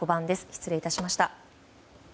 失礼いたしました。